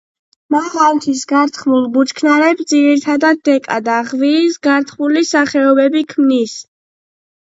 მაღალმთის გართხმულ ბუჩქნარებს ძირითადად დეკა და ღვიის გართხმული სახეობები ქმნის.